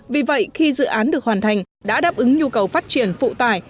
vì vậy khi dự án được hoàn thành đã đáp ứng nhu cầu phát triển phụ tải